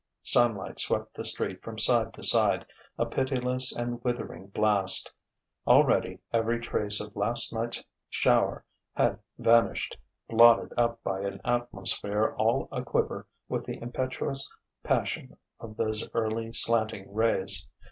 Sunlight swept the street from side to side, a pitiless and withering blast. Already every trace of last night's shower had vanished, blotted up by an atmosphere all a quiver with the impetuous passion of those early, slanting rays.